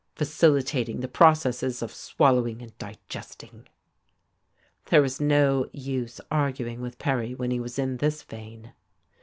facilitating the processes of swallowing and digesting...." There was no use arguing with Perry when he was in this vein....